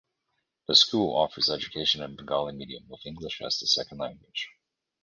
The school offers education in Bengali medium with English as the second language.